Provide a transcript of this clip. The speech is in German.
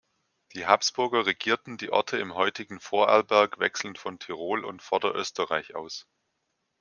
Die Habsburger regierten die Orte im heutigen Vorarlberg wechselnd von Tirol und Vorderösterreich aus.